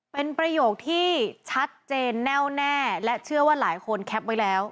เป็นประโยคที่ชัดเจนแน่วแน่และเชื่อว่าหลายคนแคปไว้แล้ว